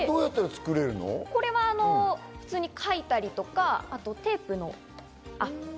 これは普通に書いたりとか、あとはテープ。